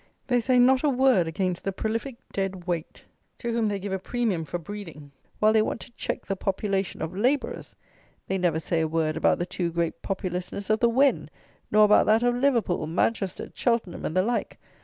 They say not a word against the prolific dead weight to whom they give a premium for breeding, while they want to check the population of labourers! They never say a word about the too great populousness of the Wen; nor about that of Liverpool, Manchester, Cheltenham, and the like!